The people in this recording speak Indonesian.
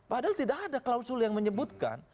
padahal tidak ada klausul yang menyebutkan